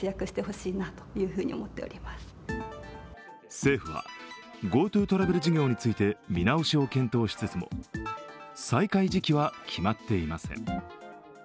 政府はＧｏＴｏトラベル事業について見直しを検討しつつも再開時期は決まっていません。